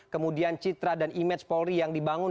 kemudian citra dan image polri yang dibangun